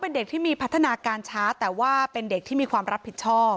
เป็นเด็กที่มีพัฒนาการช้าแต่ว่าเป็นเด็กที่มีความรับผิดชอบ